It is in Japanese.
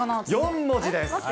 ４文字です。